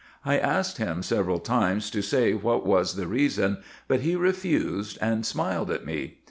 I asked him several times to say what was the reason, but he refused, and smiled at me.